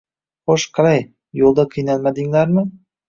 Xo`sh, qalay, yo`lda qiynalmadinglar-mi